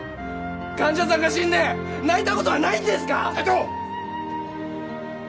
患者さんが死んで泣いたことはないんですか？